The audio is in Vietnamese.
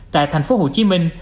tại thành phố hồ chí minh